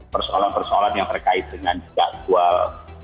persoalan persoalan yang terkait dengan jadwal